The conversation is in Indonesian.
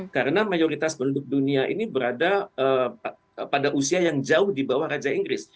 karena mayoritas penduduk dunia ini berada pada usia yang jauh di bawah raja inggris